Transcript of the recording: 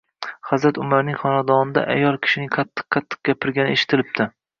Hazrat Umarning xonadonida ayol kishining qattiq-qattiq gapirgani eshitilibdi.